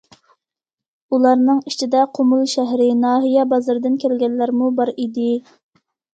ئۇلارنىڭ ئىچىدە قۇمۇل شەھىرى، ناھىيە بازىرىدىن كەلگەنلەرمۇ بار ئىدى.